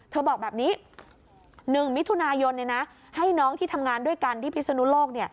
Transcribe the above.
บอกแบบนี้๑มิถุนายนให้น้องที่ทำงานด้วยกันที่พิศนุโลก